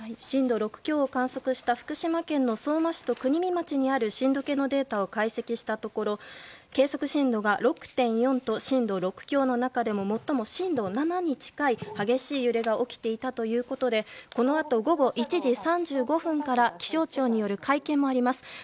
震度６強を観測した福島県の相馬市と国見町の震度計のデータを解析したところ計測震度が６．４と震度６強の中でも最も震度７に近い激しい揺れが起きていたということでこのあと、午前１時３５分から気象庁による会見もあります。